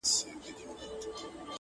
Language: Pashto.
د پاچا له فقیرانو سره څه دي؟؛